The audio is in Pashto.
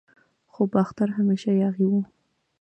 خو باختر همیشه یاغي و